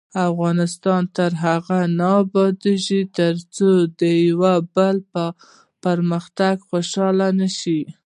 افغانستان تر هغو نه ابادیږي، ترڅو د یو بل په پرمختګ خوشحاله نشو.